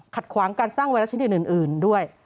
ขวางการสร้างไวรัสชนิดอื่นด้วย